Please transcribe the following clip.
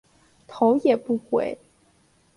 头也不回